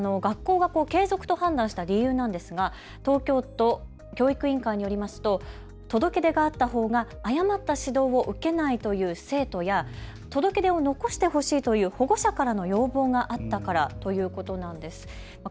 学校が継続と判断した理由なんですが東京都教育委員会によりますと届け出があったほうが誤った指導を受けないという生徒や届け出を残してほしいという保護者からの要望があったからということなんです。